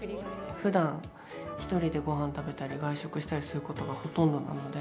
ふだん１人でごはん食べたり外食したりすることがほとんどなので。